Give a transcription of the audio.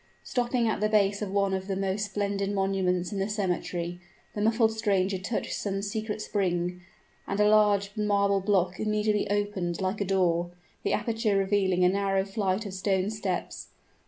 Stopping at the base of one of the most splendid monuments in the cemetery, the muffled stranger touched some secret spring, and a large marble block immediately opened like a door, the aperture revealing a narrow flight of stone steps.